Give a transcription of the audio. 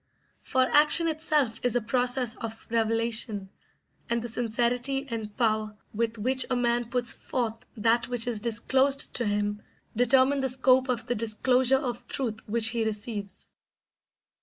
For action itself is a process of revelation, and the sincerity and power with which a man puts forth that which is disclosed to him determine the scope of the disclosure of truth which he receives.